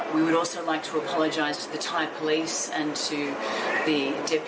พวกกุศิศสุภาพ